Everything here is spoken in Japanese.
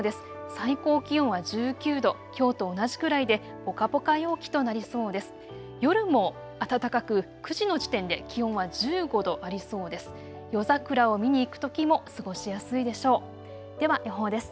最高気温は１９度、きょうと同じくらいでぽかぽか陽気となりそうです。